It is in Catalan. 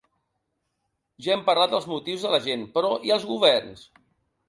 Ja hem parlat dels motius de la gent, però, i els governs?